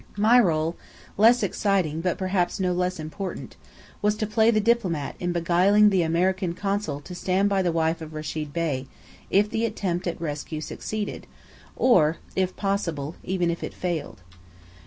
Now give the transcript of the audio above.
My rôle, less exciting but perhaps no less important, was to play the diplomat in beguiling the American Consul to stand by the wife of Rechid Bey, if the attempt at rescue succeeded, or if possible even if it failed.